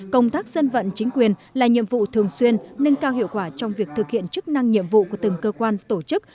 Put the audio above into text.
công tác dân vận chính quyền là nhiệm vụ thường xuyên nâng cao hiệu quả trong việc thực hiện chức năng nhiệm vụ của từng cơ quan tổ chức